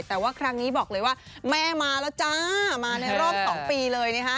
แต่ว่าครั้งนี้บอกเลยว่าแม่มาแล้วจ้ามาในรอบ๒ปีเลยนะคะ